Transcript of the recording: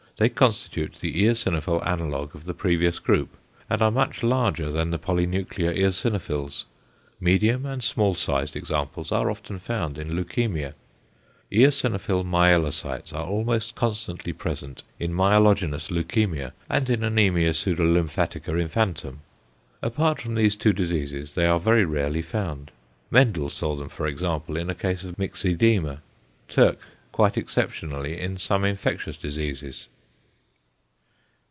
They constitute the eosinophil analogue of the previous group, and are much larger than the polynuclear eosinophils; medium and small sized examples are often found in leukæmia. Eosinophil myelocytes are almost constantly present in myelogenous leukæmia and in anæmia pseudolymphatica infantum. Apart from these two diseases they are very rarely found; Mendel saw them for example in a case of myxoedema, Türk quite exceptionally in some infectious diseases.